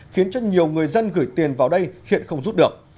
khiến cho nhiều người dân gửi tiền vào đây hiện không rút được